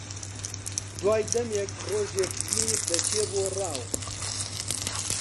دوای دەمێک ڕۆژێک میر دەچێ بۆ ڕاو